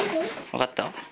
分かった？